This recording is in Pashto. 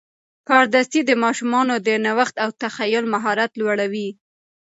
کاردستي د ماشومانو د نوښت او تخیل مهارت لوړوي.